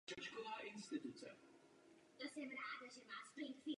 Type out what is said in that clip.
Červená barva vody je způsobena oxidy železa.